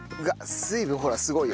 水分ほらすごいよ。